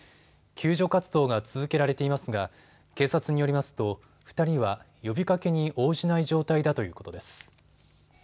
救助活動が続けられていますが警察によりますと２人は呼びかけに応じない状態だということです。